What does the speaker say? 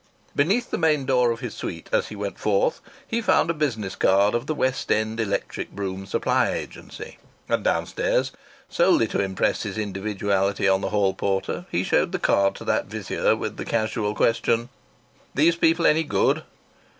Beneath the main door of his suite, as he went forth, he found a business card of the West End Electric Brougham Supply Agency. And downstairs, solely to impress his individuality on the hall porter, he showed the card to that vizier with the casual question: "These people any good?"